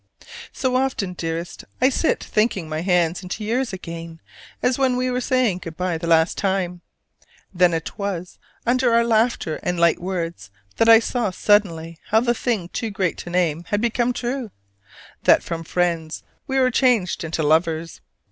So often, dearest, I sit thinking my hands into yours again as when we were saying good by the last time. Then it was, under our laughter and light words, that I saw suddenly how the thing too great to name had become true, that from friends we were changed into lovers.